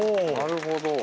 なるほど。